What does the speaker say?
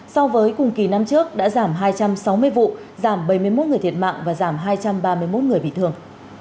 so với cùng kỳ năm trước đã giảm hai trăm sáu mươi vụ giảm bảy mươi một người thiệt mạng và giảm hai trăm ba mươi một người bị thương